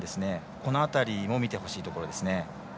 この辺りも見てほしいですね。